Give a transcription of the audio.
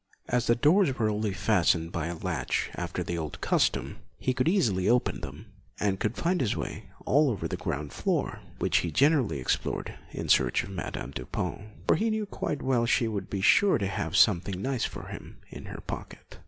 As the doors were only fastened by a latch after the old custom, he could easily open them, and could find his way all over the ground floor, which he generally explored in search of Madame Dupin, for he knew quite well she would be sure to have something nice for him in her pocket.